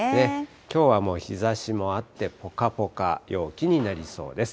きょうはもう日ざしもあって、ぽかぽか陽気になりそうです。